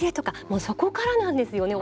もうそこからなんですよね